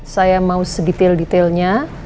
saya mau sedetail detailnya